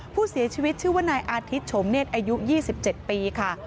ผู้เสียชีวิตชื่อว่านายอาทิตย์โฉมเนธอายุ๒๗ปีค่ะ